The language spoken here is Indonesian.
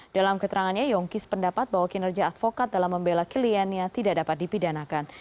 dalam keterangannya yongki sependapat bahwa kinerja advokat dalam membela kiliannya tidak dapat dipidanakan